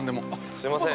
◆すいません